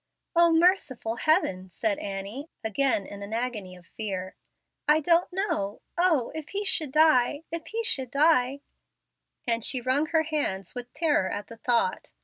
"O merciful Heaven!" said Annie, again in an agony of fear. "I don't know. Oh, if he should die if he should die " and she wrung her hands with terror at the thought.